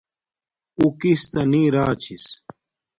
اُو کس تا نی را چھس